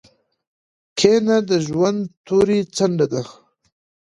کینه د ژوند توري څنډه ده.